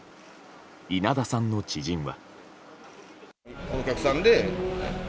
稲田さんの知人は。